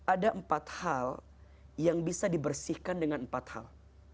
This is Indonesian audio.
ada empat hal yang bisa dibersihkan dengan empat hal